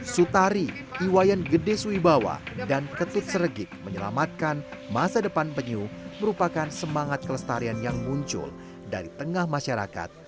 sutari iwayan gede suwibawa dan ketut seregik menyelamatkan masa depan penyu merupakan semangat kelestarian yang muncul dari tengah masyarakat